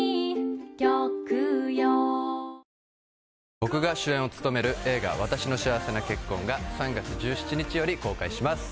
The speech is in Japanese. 僕が主演を務める映画「わたしの幸せな結婚」が３月１７日より公開します